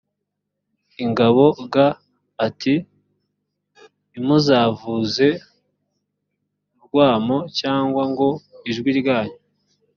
ingabo g ati ntimuzavuze urwamo cyangwa ngo ijwi ryanyu